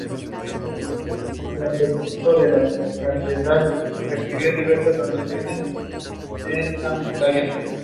Su extinción se debe a la introducción de varias especies invasoras.